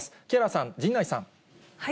木原さん、陣内さん。